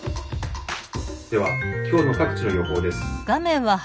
では今日の各地の予報です。